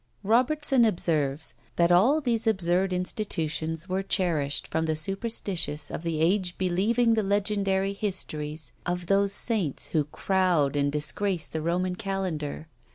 Robertson observes, that all these absurd institutions were cherished from the superstitious of the age believing the legendary histories of those saints who crowd and disgrace the Roman calendar.